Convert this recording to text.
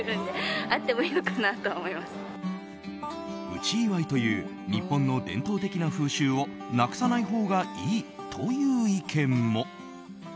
内祝いという日本の伝統的な風習をなくさないほうがいいという意見も。